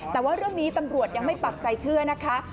แต่ว่าเรื่องนี้ตำรวจยังไม่ปักใจเชื่อนะคะ